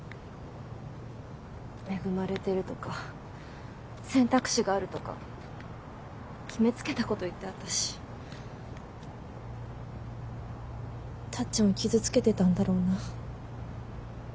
恵まれてるとか選択肢があるとか決めつけたこと言って私タッちゃんを傷つけてたんだろうな。